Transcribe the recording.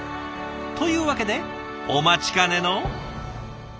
というわけでお待ちかねの。